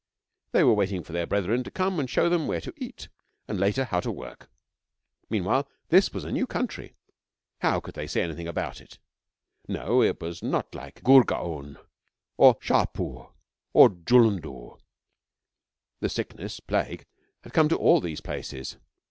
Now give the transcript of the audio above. They were waiting for their brethren to come and show them where to eat, and later, how to work. Meanwhile this was a new country. How could they say anything about it? No, it was not like Gurgaon or Shahpur or Jullundur. The Sickness (plague) had come to all these places.